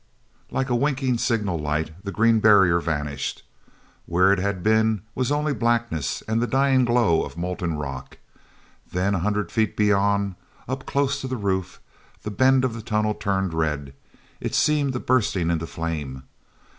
Like a winking signal light the green barrier vanished. Where it had been was only blackness and the dying glow of molten rock. Then, a hundred feet beyond, up close to the roof, the bend of the tunnel turned red; it seemed bursting into flame.